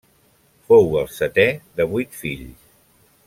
Fou el setè de vuit fills.